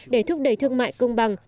để thúc đẩy thương mại công bằng